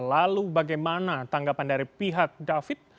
lalu bagaimana tanggapan dari pihak david